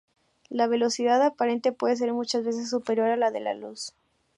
La velocidad aparente puede ser muchas veces superior a la de la luz.